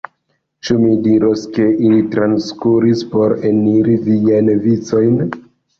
Ĉu mi diros, ke ili transkuris por eniri viajn vicojn?